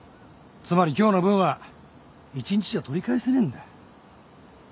つまり今日の分は１日じゃ取り返せねえんだ。